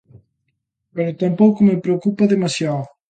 Pero tampouco me preocupa demasiado.